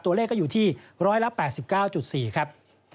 ตัวเลขก็อยู่ที่๑๘๙๔ครับ